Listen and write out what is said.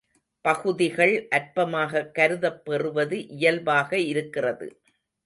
பகுதிகள் அற்பமாகக் கருதப் பெறுவது இயல்பாக இருக்கிறது.